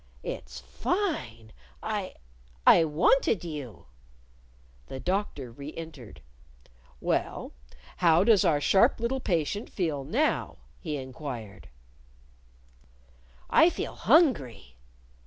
"It's fine! I I wanted you!" The Doctor re entered. "Well, how does our sharp little patient feel now?" he inquired. "I feel hungry."